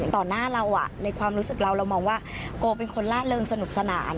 หน้าเราในความรู้สึกเราเรามองว่าโกเป็นคนล่าเริงสนุกสนาน